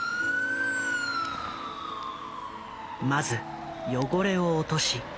まず汚れを落とし